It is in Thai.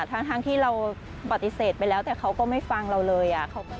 ทั้งที่เราปฏิเสธไปแล้วแต่เขาก็ไม่ฟังเราเลย